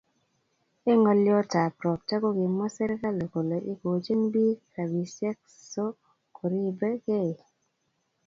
Eng ngolyot ab robta kokimwa serikalit kole igochin bik rabisiek so koribe ke